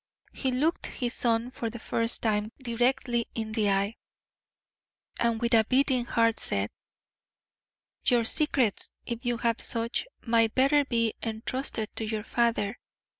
He looked his son for the first time directly in the eye, and with a beating heart said: "Your secrets, if you have such, might better be entrusted to your father.